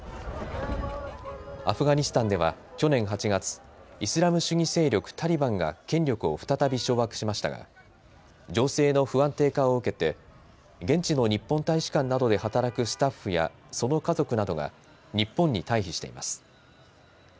アフガニスタンでは去年８月イスラム主義勢力タリバンが権力を再び掌握しましたが情勢の不安定化を受けて現地の日本大使館などで働くスタッフやその家族などが日本に退避しています。